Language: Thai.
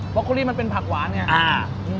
อโคลี่มันเป็นผักหวานไง